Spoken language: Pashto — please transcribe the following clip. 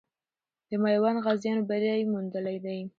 د میوند غازیانو بری موندلی دی.